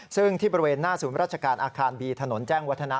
ซึ่งที่บริเวณหน้าศูนย์ราชการอาคารบีถนนแจ้งวัฒนะ